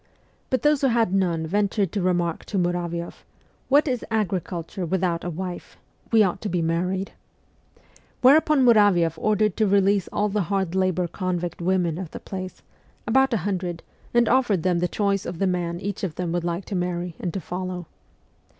But those who had none ventured to remark to Muravioff :' What is agriculture without a wife ? We ought to be married.' Whereupon Muravioff ordered to release all the hard labour convict women of the place about a hundred and offered them the choice of the man each of them would like to marry and to follow.